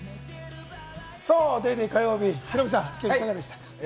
『ＤａｙＤａｙ．』火曜日、ヒロミさん、今日、いかがでしたか？